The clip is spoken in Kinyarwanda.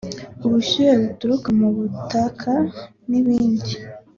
ubushyuhe buturuka mu butaka n’ibindi